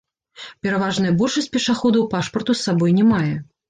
Пераважная большасць пешаходаў пашпарту з сабой не мае.